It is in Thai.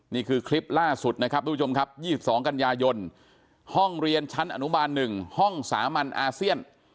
นี่คือคลิปล่าสุดนะครับทุกผู้ชมครับ๒๒กันยายนห้องเรียนชั้นอนุบาล๑ห้องสามัญอาเซียน